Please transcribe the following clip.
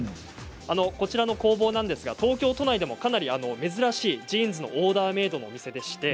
こちらの工房は東京都内でもかなり珍しいジーンズのオーダーメードのお店です。